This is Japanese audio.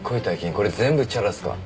これ全部チャラっすか？